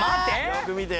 「よーく見て」